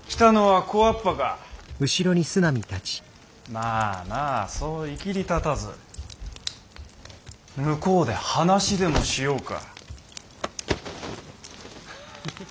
まあまあそういきりたたず向こうで話でもしようか。